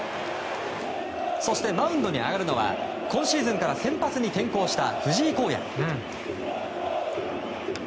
そして、マウンドに上がるのは今シーズンから先発に転向した藤井皓哉。